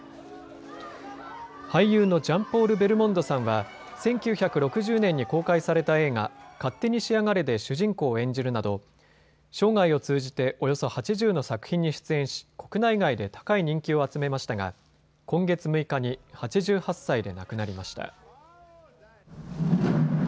俳優のジャンポール・ベルモンドさんは１９６０年に公開された映画、勝手にしやがれで主人公を演じるなど生涯を通じておよそ８０の作品に出演し、国内外で高い人気を集めましたが今月６日に８８歳で亡くなりました。